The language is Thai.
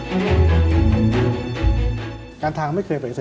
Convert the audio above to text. ผมรู้ว่าเกิดผมรู้ว่าเกิดผมรู้ว่าเกิด